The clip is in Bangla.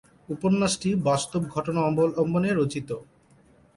উপন্যাসটি বাস্তব ঘটনা অবলম্বনে রচিত।